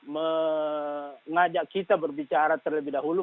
mengajak kita berbicara terlebih dahulu